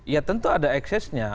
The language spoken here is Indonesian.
ya tentu ada aksesnya